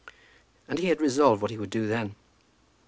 And he had resolved what he would do then.